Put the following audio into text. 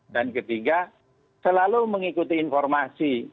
dan ketiga selalu mengikuti informasi